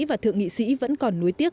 và thượng nghị sĩ vẫn còn nuối tiếc